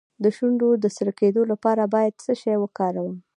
د شونډو د سره کیدو لپاره باید څه شی وکاروم؟